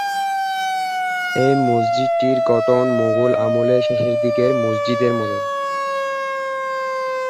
এ মসজিদটির গঠন মোঘল আমলের শেষের দিকের মসজিদের মতো।